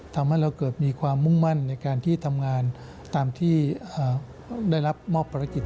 ทำให้เราเกิดมีความมุ่งมั่นในการที่ทำงานตามที่ได้รับมอบภารกิจ